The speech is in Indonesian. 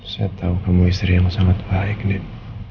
saya tahu kamu istri yang sangat baik lift